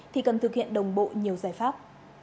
thì cần thực hiện đồng bộ nhiều giải pháp